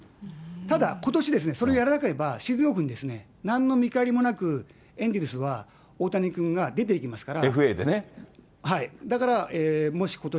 ただ、ことしですね、それをやらなければ、シーズンオフになんの見返りもなく、エンゼルスは、大谷君が出ていきますから。